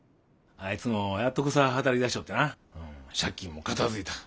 あいつもやっとこさ働きだしおってな借金も片づいた。